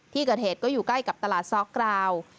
ที่เกิดเหตุก็อยู่ใกล้กับตลาดซอกกราว